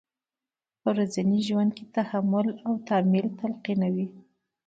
په ورځني ژوند کې تحمل او تامل تلقینوي.